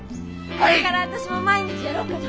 これから私も毎日やろうかな。